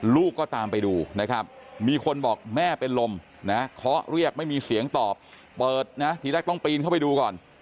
ลูกก็ตามไปดูนะครับมีคนบอกแม่เป็นลมนะเคาะเรียกไม่มีเสียงตอบเปิดนะทีแรกต้องปีนเข้าไปดูก่อน